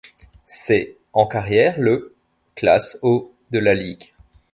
Ses en carrière le classe au de la ligue.